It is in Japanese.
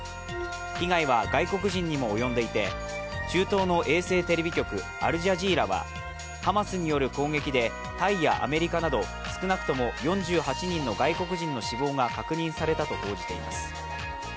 被害は外国人にも及んでいて中東の衛星テレビ局アルジャジーラは、ハマスによる攻撃でタイやアメリカなど、少なくとも４８人の外国人の死亡が確認されたと報じています。